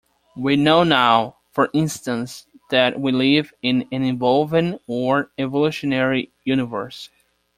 We now know, for instance, that we live in an evolving or evolutionary universe.